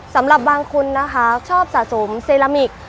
สำหรับบางคนนะคะชอบสะสมเซรามิก